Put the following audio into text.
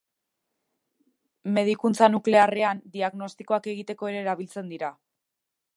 Medikuntza nuklearrean diagnostikoak egiteko ere erabiltzen dira.